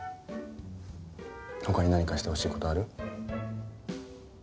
他に何かしてほしい事ある？